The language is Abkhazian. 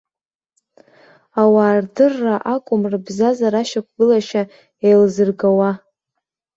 Ауаа рдырра акәым рыбзазара ашьақәгылашьа еилзыргауа.